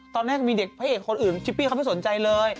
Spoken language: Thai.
ตอนแรกมีเด็กพระเอกคนอื่นชิปปี้เขาไม่สนใจเลย